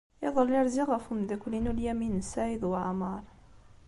Iḍelli, rziɣ ɣef umeddakel-inu Lyamin n Saɛid Waɛmeṛ.